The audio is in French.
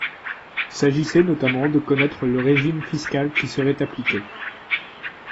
Il s’agissait notamment de connaître le régime fiscal qui serait appliqué.